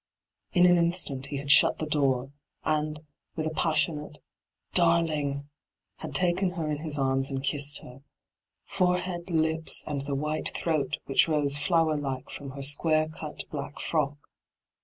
In an instant he had shut the door, and, with a passionate ' Darling I* had taken her in his arms and kissed her — forehead, lipB, and the white throat which rose flower like from her square out black irock.